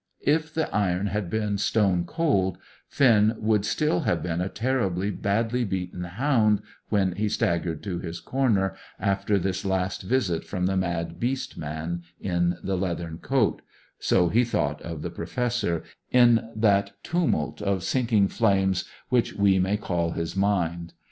If the iron had been stone cold, Finn would still have been a terribly badly beaten hound, when he staggered to his corner, after this last visit from the mad beast man in the leathern coat so he thought of the Professor, in that tumult of sinking flames which we may call his mind.